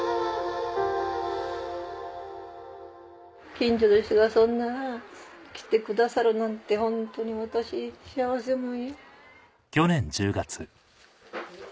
近所の人がそんな来てくださるなんてホントに私幸せ者よ。